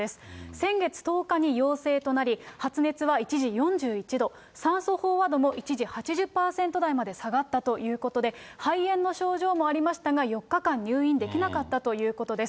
先月１０日に陽性となり、発熱は一時４１度、酸素飽和度も一時８０％台まで下がったということで、肺炎の症状もありましたが、４日間入院できなかったということです。